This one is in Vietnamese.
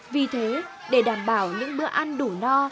vì thế để đảm bảo những bữa ăn đủ no